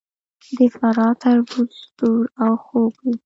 د فراه تربوز سور او خوږ وي.